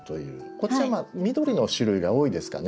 こちらは緑の種類が多いですかね。